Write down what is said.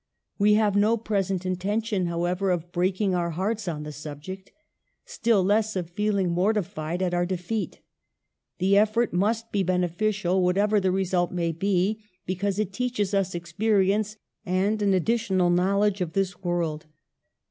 We have no present intention, however, of breaking our hearts on the subject ; still less of feeling mor tified at our defeat. The effort must be bene ficial, whatever the result may be, because it teaches us experience and an additional knowl edge of this world.